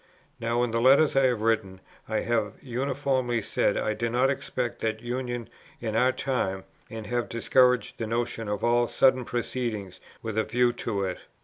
Now in the letters I have written, I have uniformly said that I did not expect that union in our time, and have discouraged the notion of all sudden proceedings with a view to it.